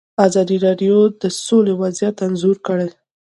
ازادي راډیو د سوله وضعیت انځور کړی.